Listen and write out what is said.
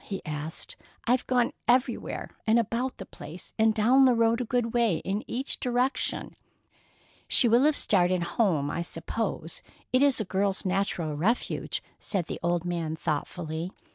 he asked. "I've gone everywhere about the place; and down the road a good way in each direction." "She will have started home, I suppose—it is a girl's natural refuge," said the old man thoughtfully.